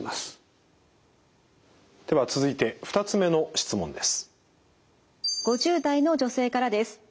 では続いて２つ目の質問です。